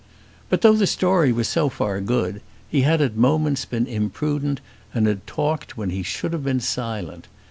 But though the story was so far good, he had at moments been imprudent, and had talked when he should have been silent.